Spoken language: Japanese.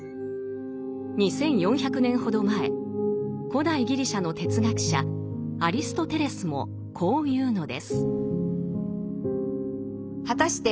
２，４００年ほど前古代ギリシャの哲学者アリストテレスもこう言うのです。